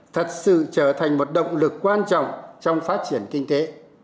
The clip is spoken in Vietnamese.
thật sự trở thành một động lực quan trọng trong phát triển kinh tế